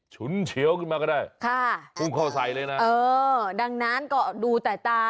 ฉุนเฉียวขึ้นมาก็ได้ค่ะพุ่งเข้าใส่เลยนะเออดังนั้นก็ดูแต่ตา